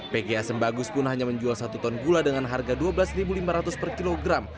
pga sembagus pun hanya menjual satu ton gula dengan harga rp dua belas lima ratus per kilogram